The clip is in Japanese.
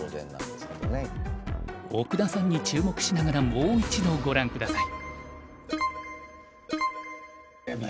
奥田さんに注目しながらもう一度ご覧下さい。